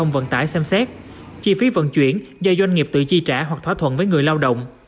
vận tải xem xét chi phí vận chuyển do doanh nghiệp tự chi trả hoặc thỏa thuận với người lao động